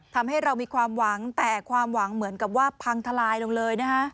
ทำให้เรามีความหวังแต่ความหวังเหมือนกับว่าพังทลายลงเลยนะฮะ